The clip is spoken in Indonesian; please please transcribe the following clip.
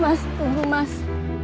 mas tunggu mas